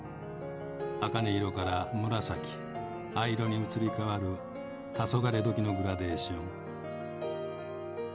茜色から紫藍色に移り変わるたそがれどきのグラデーション。